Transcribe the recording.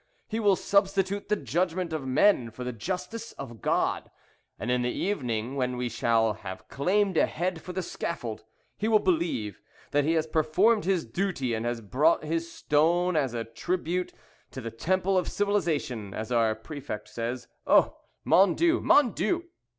He will substitute the judgment of men for the justice of God; and in the evening, when he shall have claimed a head for the scaffold, he will believe that he has performed his duty, and has brought his stone as a tribute to the temple of Civilization, as our préfect says. Oh! mon Dieu! mon Dieu!"